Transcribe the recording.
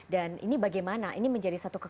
dan ini bagaimana ini menjadi satu konteks